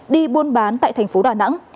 đi buôn bán tại thành phố đà nẵng